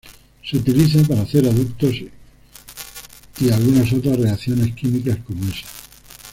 Se utiliza para hacer aductos y algunas otras reacciones químicas como esa.